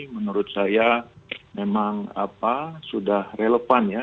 menurut saya memang sudah relevan ya